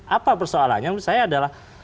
apa persoalannya menurut saya adalah